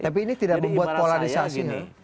tapi ini tidak membuat polarisasi